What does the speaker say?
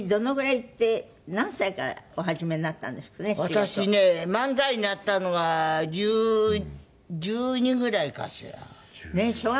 私ね漫才になったのは１２ぐらいかしら？